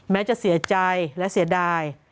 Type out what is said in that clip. แม้จะเสียใจและเสียดาย